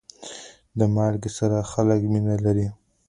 د مالګې سره خلک مینه لري.